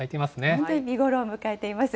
本当に見頃を迎えています。